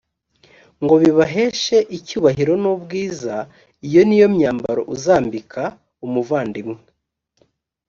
ngo bibaheshe icyubahiro n ubwiza j iyo ni yo myambaro uzambika umuvandimwe